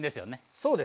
そうですね。